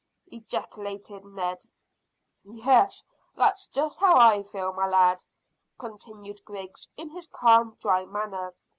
ejaculated Ned. "Yes, that's just how I feel, my lad," continued Griggs, in his calm, dry manner.